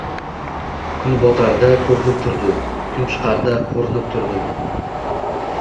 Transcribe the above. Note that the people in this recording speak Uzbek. Kunbotar-da ko‘rinib turdi, kunchiqar-da qo‘rinib turdi.